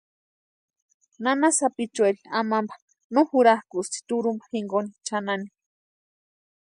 Nana sapichueri amampa no jurakʼusti turhumpa jinkoni chʼanani.